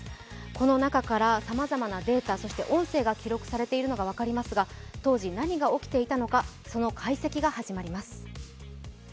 この中からさまざまなデータそして音声が記録されているのが分かりますが当時何が起きていたのかその解析が始まります。